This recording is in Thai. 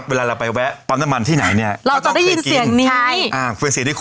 เวลาเราไปแวะปั๊มก็ได้ยินเสียงที่นี้